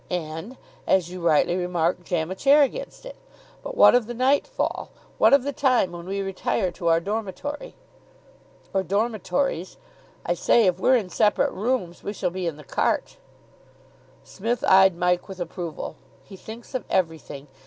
"And, as you rightly remark, jam a chair against it. But what of the nightfall? What of the time when we retire to our dormitory?" "Or dormitories. I say, if we're in separate rooms we shall be in the cart." Psmith eyed Mike with approval. "He thinks of everything!